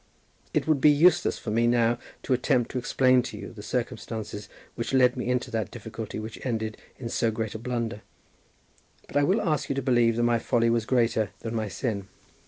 It would be useless for me now to attempt to explain to you the circumstances which led me into that difficulty which ended in so great a blunder; but I will ask you to believe that my folly was greater than my sin.